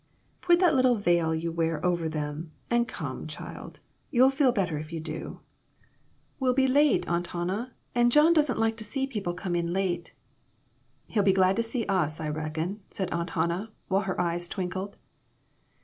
" Put that little veil you wear over them, and come, child. You'll feel better if you do." IMPROMPTU VISITS. 113 "We'll be late, Aunt Hannah, and John doesn't /ike to see people come in late." "He'll be glad to see us, I reckon," said Aunt Hannah, while her eyes twinkled.